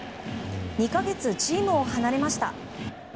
２か月チームを離れました。